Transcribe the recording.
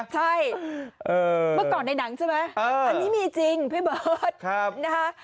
ใช่เมื่อก่อนในหนังใช่ไหมอันนี้มีจริงพี่เบิร์ตนะคะ